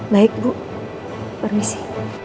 baik bu permisi